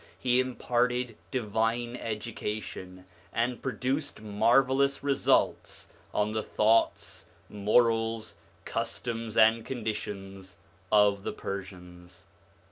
He imparted divine education, and produced marvellous results on the thoughts, morals, customs, and conditions of the Persians.